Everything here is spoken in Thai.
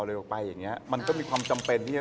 แต่อย่างเขาเนี่ย